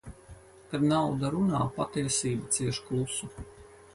Kad nauda runā, patiesība cieš klusu.